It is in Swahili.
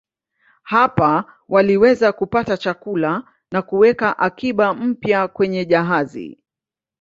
Hapa waliweza kupata chakula na kuweka akiba mpya kwenye jahazi.